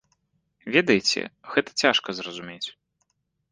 Ведаеце, гэта цяжка зразумець.